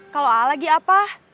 kalau lagi apa